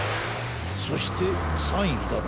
そして３いだな。